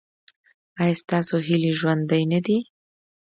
ایا ستاسو هیلې ژوندۍ نه دي؟